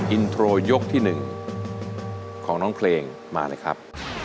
อินโทรยกที่๑ของน้องเพลงมาเลยครับ